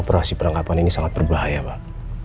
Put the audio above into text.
operasi penangkapan ini sangat berbahaya pak